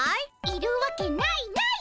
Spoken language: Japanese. いるわけないない。